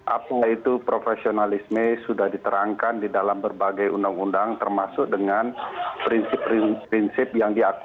apa itu profesionalisme sudah diterangkan di dalam berbagai undang undang termasuk dengan prinsip prinsip yang diakui